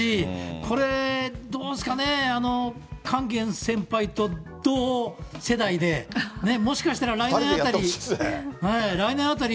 これどうですかね、勸玄先輩と同世代で、もしかしたら来年あたり。